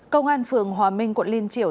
công an phường hòa minh quận liên triểu